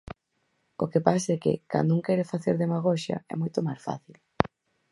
O que pasa é que, cando un quere facer demagoxia, é moito máis fácil.